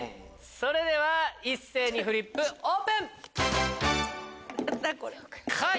それでは一斉にフリップオープン！